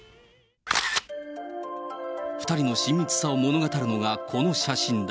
２人の親密さを物語るのがこの写真だ。